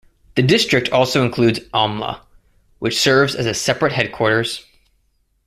The district also includes Amla, which serves as a separate headquarters.